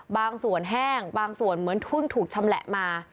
บางส่วนแห้งบางส่วนเหมือนทุ่งถูกชำแหละมา